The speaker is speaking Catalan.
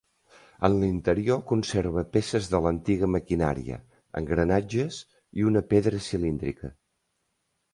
En l'interior conserva peces de l'antiga maquinària, engranatges i una pedra cilíndrica.